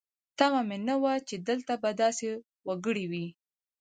تمه مې نه وه چې دلته به داسې وګړي وي.